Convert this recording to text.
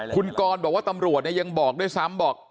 คุณกรบอกว่าตำรวจยังบอกด้วยซ้ำบอก